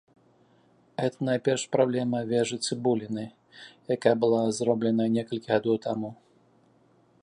Гэта найперш праблема вежы-цыбуліны, якая была зробленая некалькі гадоў таму.